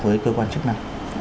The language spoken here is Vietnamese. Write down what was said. với cơ quan chức năng